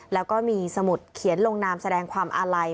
แล้วก็มีสมุดเขียนลงน้ำแสดงความอะไหล่